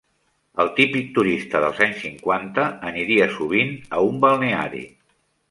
El típic turista dels anys cinquanta aniria sovint a un balneari